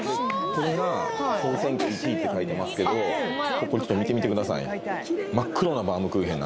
これが総選挙１位って書いてますけどここちょっと見てみてください